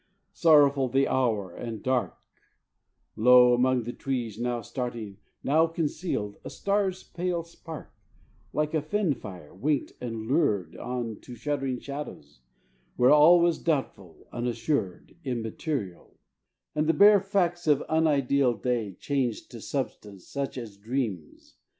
Sorrowful the hour and dark: Low among the trees, now starting, Now concealed, a star's pale spark Like a fen fire winked and lured On to shuddering shadows; where All was doubtful, unassured, Immaterial; and the bare Facts of unideal day Changed to substance such as dreams.